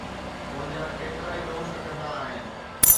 منهنجا ڪيترائي دوست ڪندا آهن.